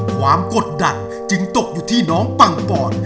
กดดันจึงตกอยู่ที่น้องปังปอน